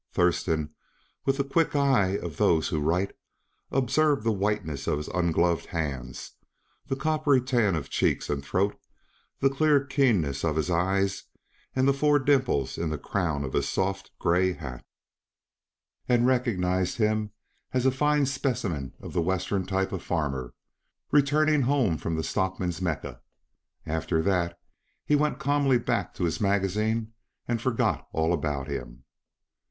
Thurston, with the quick eye of those who write, observed the whiteness of his ungloved hands, the coppery tan of cheeks and throat, the clear keenness of his eyes, and the four dimples in the crown of his soft, gray hat, and recognized him as a fine specimen of the Western type of farmer, returning home from the stockman's Mecca. After that he went calmly back to his magazine and forgot all about him.